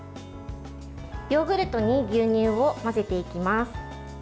ヨーグルトに牛乳を混ぜていきます。